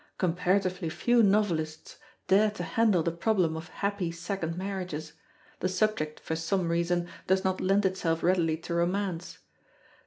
Comparatively few novelists dare to handle the problem of happy second marriages; the subject for some reason does not lend itself readily to romance.